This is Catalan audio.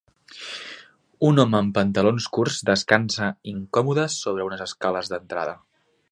Un home amb pantalons curts descansa incòmode sobre unes escales d'entrada.